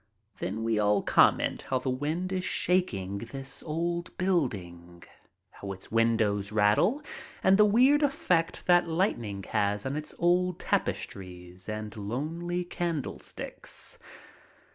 Then we all comment how the wind is shaking this old build ing, how its windows rattle and the weird effect that light ning has on its old tapestries and lonely candlesticks.